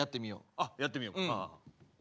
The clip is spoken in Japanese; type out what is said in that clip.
あっやってみよう。